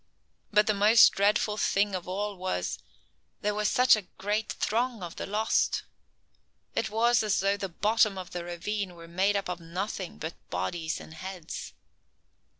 But the most dreadful thing of all was—there was such a great throng of the lost. It was as though the bottom of the ravine were made up of nothing but bodies and heads.